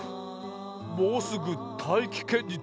もうすぐたいきけんにとつにゅうだ。